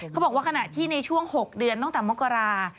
ขณะที่ในช่วง๖เดือนตั้งแต่มกรา